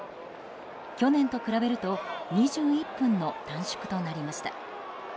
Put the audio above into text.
去年と比べると２１分の短縮となりました。